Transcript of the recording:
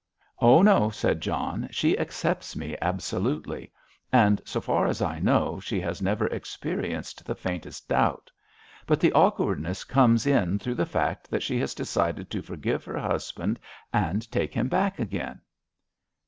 "Oh, no," said John, "she accepts me absolutely. And so far as I know she has never experienced the faintest doubt. But the awkwardness comes in through the fact that she has decided to forgive her husband and take him back again!"